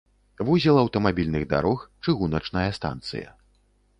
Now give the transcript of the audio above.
Вузел аўтамабільных дарог, чыгуначная станцыя.